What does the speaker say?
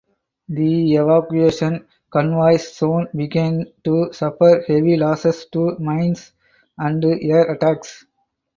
The evacuation convoys soon began to suffer heavy losses to mines and air attacks.